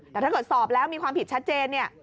แต่ถ้าเกิดสอบแล้วมีความผิดชัดเจนเนี่ย